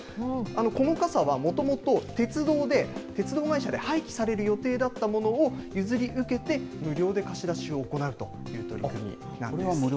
この傘はもともと、鉄道会社で廃棄されるものだったものを、譲り受けて、無料で貸し出しを行うという取り組みなんです。